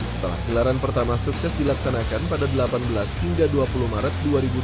setelah gelaran pertama sukses dilaksanakan pada delapan belas hingga dua puluh maret dua ribu dua puluh